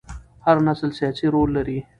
هر نسل سیاسي رول لري